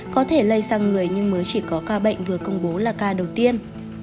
có thể lây sang người nhưng mới chỉ có ca bệnh vừa công bố là ca đầu tiên